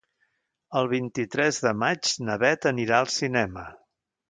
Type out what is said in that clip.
El vint-i-tres de maig na Beth anirà al cinema.